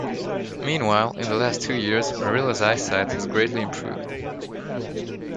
Meanwhile, in the last two years, Marilla's eyesight has greatly improved.